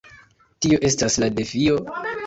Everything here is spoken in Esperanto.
Tio estas la defio!